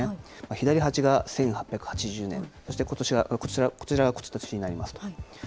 左端が１８８０年、そしてこちらはことしになります。